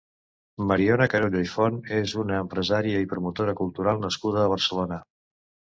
Mariona Carulla i Font és una empresària i promotora cultural nascuda a Barcelona.